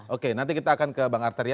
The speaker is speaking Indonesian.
oke nanti kita akan ke bang arteria